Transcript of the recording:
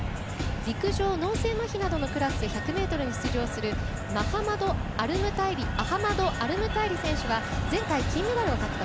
陸上、脳性まひなどのクラス１００ｍに出場するアハマド・アルムタイリ選手は前回、金メダルを獲得。